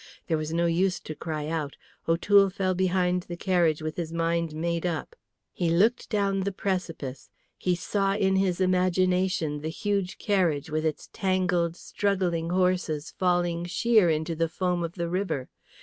There was no use to cry out; O'Toole fell behind the carriage with his mind made up. He looked down the precipice; he saw in his imagination the huge carriage with its tangled, struggling horses falling sheer into the foam of the river.